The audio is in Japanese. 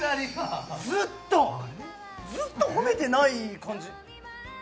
ずっと褒めてない感じ